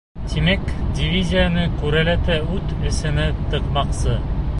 Тимәк, дивизияны күрәләтә ут эсенә тыҡмаҡсы.